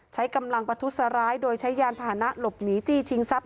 ใช้กำลังประทุษร้ายโดยใช้ยานพาหนะหลบหนีจี้ชิงทรัพย